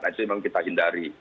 nah itu memang kita hindari